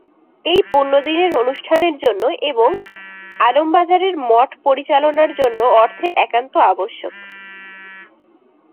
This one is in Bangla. এই পুণ্যদিনের অনুষ্ঠানের জন্য এবং আলমবাজারের মঠ পরিচালনার জন্য অর্থের একান্ত আবশ্যক।